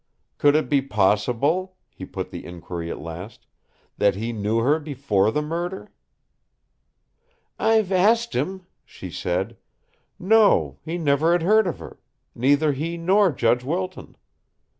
"Could it be possible," he put the inquiry at last, "that he knew her before the murder?" "I've asked him," she said. "No; he never had heard of her neither he nor Judge Wilton.